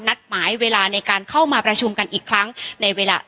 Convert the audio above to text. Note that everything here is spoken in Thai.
นัดหมายเวลาในการเข้ามาประชุมกันอีกครั้งในเวลา